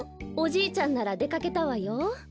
おじいちゃんならでかけたわよ。